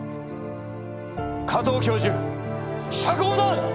加藤教授釈放だ！